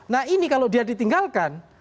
nah ini kalau dia ditinggalkan